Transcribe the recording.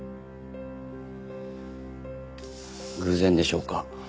偶然でしょうか。